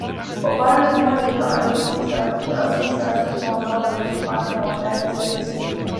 Au parlement, les deux alliés conservent cependant leurs groupes parlementaires respectifs.